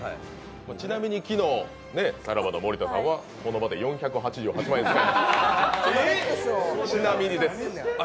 ちなみに昨日、さらばの森田さんはこの場で４８８万円のちなみにです。